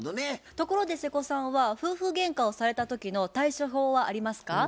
ところで瀬古さんは夫婦げんかをされた時の対処法はありますか？